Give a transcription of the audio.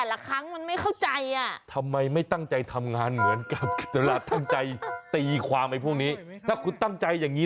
แล้วมีเต่า๒ตัวลงล่าง